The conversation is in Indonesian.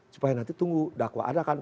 supaya nanti tunggu dakwaan akan